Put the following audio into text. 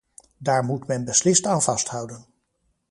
Daar moet men beslist aan vasthouden.